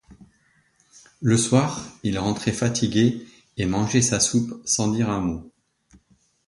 Le soir il rentrait fatigué et mangeait sa soupe sans dire un mot.